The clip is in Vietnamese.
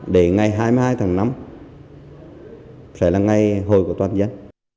như ngày hai mươi hai tháng năm sẽ là ngày hồi của toàn dân